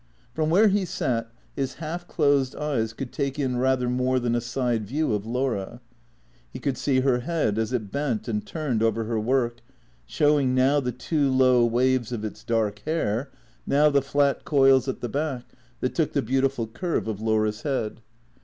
From where he sat his half closed eyes could take in rather more than a side view of Laura. He could see her head as it bent and turned over her work, showing, now the two low waves of its dark hair, now the flat coils at the back that took the beautiful curve of Laura's head.